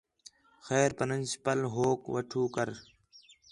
خیر پرنسپل ہوک وٹھو کر